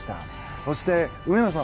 そして、上野さん。